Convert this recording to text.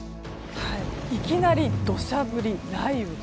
いきなり土砂降り、雷雨。